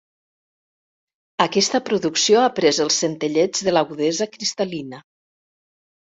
Aquesta producció ha pres el centelleig de l'agudesa cristal·lina.